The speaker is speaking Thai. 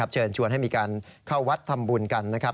เชิญชวนให้มีการเข้าวัดทำบุญกันนะครับ